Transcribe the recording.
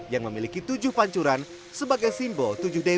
yang memiliki tujuh pancuran sebagai simbol tujuh dewasa